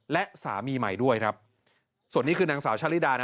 และสามีใหม่ด้วยครับส่วนนี้คือนางสาวชะลิดานะ